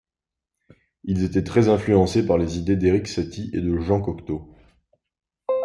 Ils étaient très influencés par les idées d'Erik Satie et de Jean Cocteau.